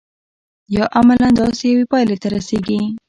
یا عملاً داسې یوې پایلې ته رسیږي.